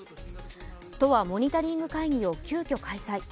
都はモニタリング会議を急きょ、開催。